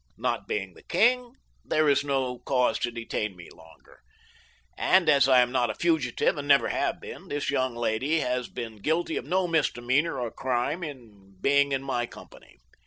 "Not being the king, there is no cause to detain me longer, and as I am not a fugitive and never have been, this young lady has been guilty of no misdemeanor or crime in being in my company.